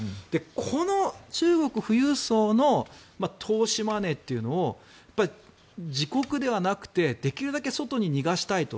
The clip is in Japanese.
この中国富裕層の投資マネーを自国ではなくてできるだけ外に逃がしたいと。